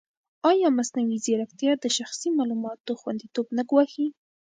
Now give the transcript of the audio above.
ایا مصنوعي ځیرکتیا د شخصي معلوماتو خوندیتوب نه ګواښي؟